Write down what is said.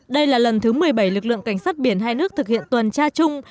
đây là lần thứ một mươi bảy lực lượng cảnh sát biển hai nước thực hiện tuần tra chung